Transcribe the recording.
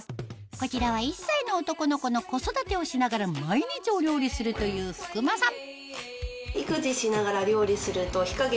こちらは１歳の男の子の子育てをしながら毎日お料理するという福馬さん